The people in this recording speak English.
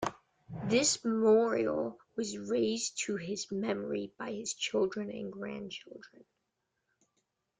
This Memorial was raised to his Memory by his Children and Grandchildren.